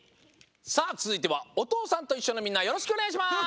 さあつづいては「おとうさんといっしょ」のみんなよろしくおねがいします！